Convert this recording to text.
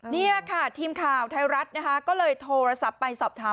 นี่ค่ะทีมข่าวไทยรัชก็เลยโทรสับไปสอบถาม